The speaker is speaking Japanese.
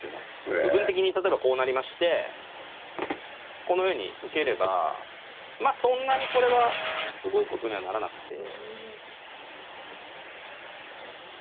部分的に例えばこうなりましてこのように受ければそんなにこれはすごいことにはならなくて。